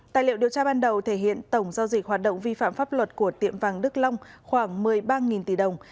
tài liệu điều tra ban đầu thể hiện tổng giao dịch hoạt động vi phạm pháp luật của tiệm vàng đức long khoảng một mươi ba tỷ đồng